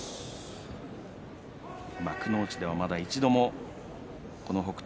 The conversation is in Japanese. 幕内ではまだ一度もこの北勝